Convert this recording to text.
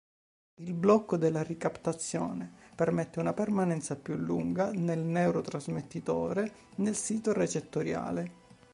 Il blocco della ricaptazione permette una permanenza più lunga del neurotrasmettitore nel sito recettoriale.